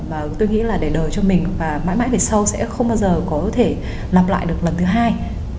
và tôi nghĩ là để đời cho mình và mãi mãi về sau sẽ không bao giờ có thể làm lại được lần thứ hai